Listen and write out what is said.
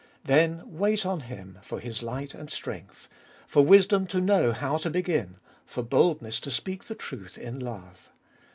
Then wait on Him for His light and strength— for wisdom to know how to begin, for boldness to speak the truth in love.